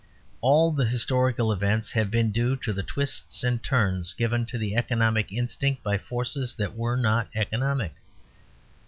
All the historical events have been due to the twists and turns given to the economic instinct by forces that were not economic.